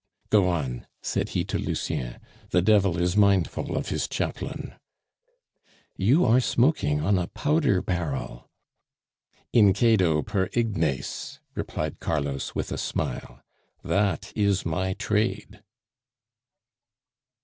"Go on," said he to Lucien. "The Devil is mindful of his chaplain." "You are smoking on a powder barrel." "Incedo per ignes," replied Carlos with a smile. "That is my trade."